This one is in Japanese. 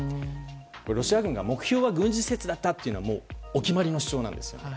ロシア軍が、目標は軍事施設だったというのはお決まりの主張なんです。